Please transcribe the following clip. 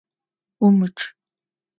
Умычъ!